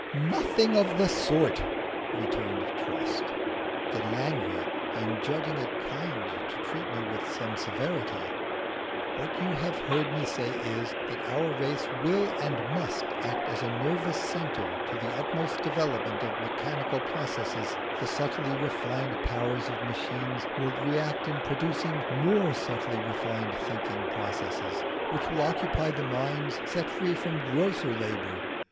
"Nothing of the sort!" returned Trost, getting angry, and judging it kind to treat me with some severity; "what you have heard me say is, that our race will and must act as a nervous centre to the utmost development of mechanical processes: the subtly refined powers of machines will react in producing more subtly refined thinking processes which will occupy the minds set free from grosser labour.